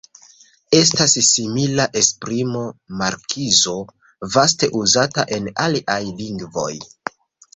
Estas simila esprimo "markizo", vaste uzata en aliaj lingvoj.